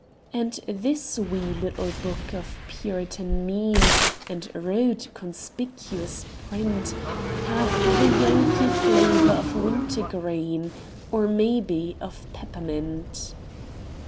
And this wee little book of Puritan mien And rude, conspicuous print Hath the Yankee flavor of wintergreen, Or, may be, of peppermint.